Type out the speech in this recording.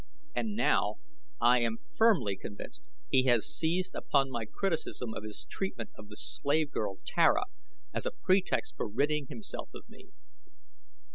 "And now, I am firmly convinced, he has seized upon my criticism of his treatment of the slave girl Tara as a pretext for ridding himself of me."